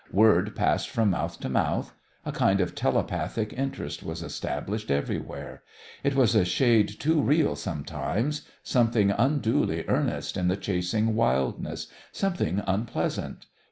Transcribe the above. Word passed from mouth to mouth. A kind of telepathic interest was established everywhere. It was a shade too real sometimes, something unduly earnest in the chasing wildness, something unpleasant.